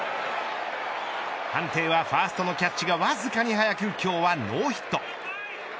判定はファーストのキャッチがわずかに早く今日はノーヒット。